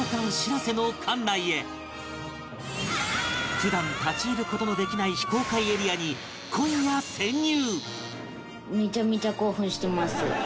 普段立ち入る事のできない非公開エリアに今夜潜入！